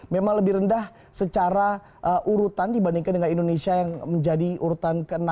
memang lebih rendah secara urutan dibandingkan dengan indonesia yang menjadi urutan ke enam